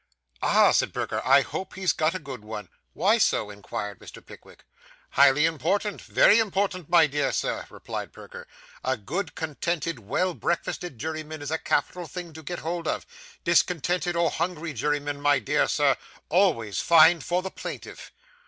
'Ah!' said Perker, 'I hope he's got a good one.' Why so?' inquired Mr. Pickwick. 'Highly important very important, my dear Sir,' replied Perker. 'A good, contented, well breakfasted juryman is a capital thing to get hold of. Discontented or hungry jurymen, my dear sir, always find for the plaintiff.